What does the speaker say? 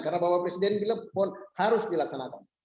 karena bapak presiden bilang pon harus dilaksanakan